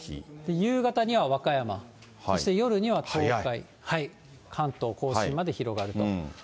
夕方には和歌山、そして夜には東海辺り、関東甲信まで広がると。